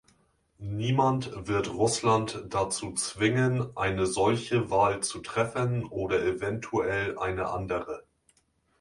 Niemand wird Russland dazu zwingen, eine solche Wahl zu treffen oder eventuell eine andere.